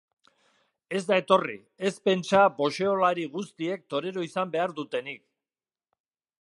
Ez da etorri, ez pentsa boxeolari guztiek torero izan behar dutenik.